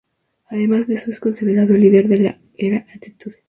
Además de eso, es considerado el líder de la Era Attitude.